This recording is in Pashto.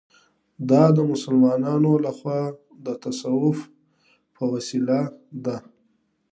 دا د مسلمانانو له خوا د تصوف په وسیله ده.